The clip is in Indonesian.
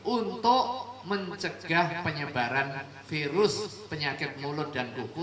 untuk mencegah penyebaran virus penyakit mulut dan kuku